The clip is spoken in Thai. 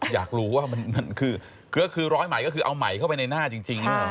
อยากรู้ว่ามันคือคือร้อยใหม่ก็คือเอาไหมเข้าไปในหน้าจริง